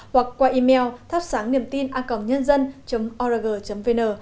hoặc qua email thapsangniemtina nhanh org vn